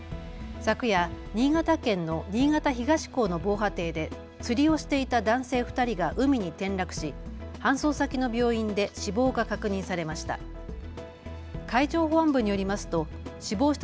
昨夜、新潟県の新潟東港の防波堤で釣りをしていた男性２人が海に転落し搬送先の病院で死亡が確認されました。